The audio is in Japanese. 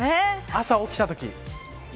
朝起きたとき。